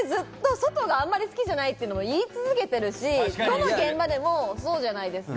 外があまり好きじゃないって言い続けてるし、どの現場でもそうじゃないですか。